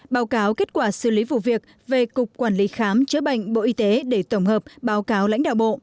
báo cáo kết quả xử lý vụ việc về cục quản lý khám chữa bệnh bộ y tế để tổng hợp báo cáo lãnh đạo bộ